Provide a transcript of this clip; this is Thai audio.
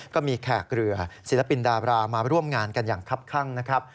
แขกเรือศิลปินดาบรามาร่วมงานกันอย่างคับข้างนะครับ